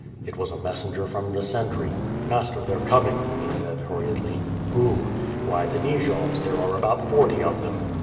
It was a messenger from the sentry. "Master, the/re coming," he said hurriedly. "Who?" "Why the Nijovs; there are about forty of them!"